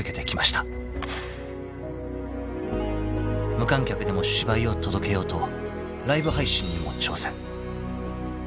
［無観客でも芝居を届けようとライブ配信にも挑戦］